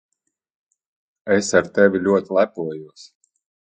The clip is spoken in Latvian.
Es ar tevi ļoti lepojos.